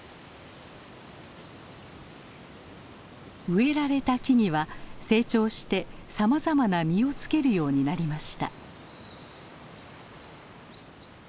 植えられた木々は成長してさまざまな実をつけるようになりました。